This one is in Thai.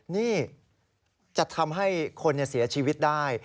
นี่จะทำให้คนเสียชีวิตได้